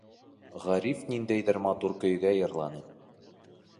Ғариф ниндәйҙер матур көйгә йырланы.